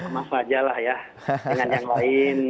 masalah ya dengan yang lain